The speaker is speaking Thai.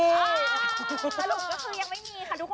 สรุปก็คือยังไม่มีค่ะทุกคน